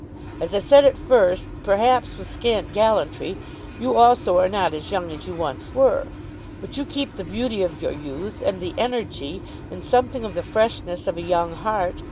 As I said at first, perhaps with scant gallantry, you also are not as young as you once were. But you keep the beauty of your youth, and the energy, and something of the freshness of a young heart.